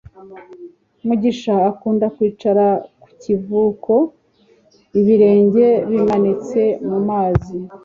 mugisha akunda kwicara ku kivuko ibirenge bimanitse mu mazi